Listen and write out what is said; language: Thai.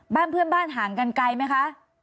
บ้านเพื่อนบ้านห่างกันไกลไหมคะ